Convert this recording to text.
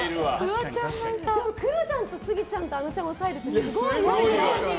クロちゃんとスギちゃんとあのちゃんを抑えるってすごいですよね。